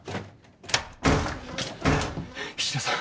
菱田さん。